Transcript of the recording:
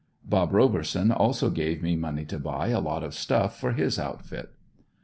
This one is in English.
"Bob" Roberson also gave me money to buy a lot of stuff for his outfit.